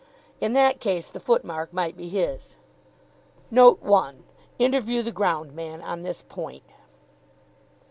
In that case the foot mark might be his. Note one: Interview the ground man on this point.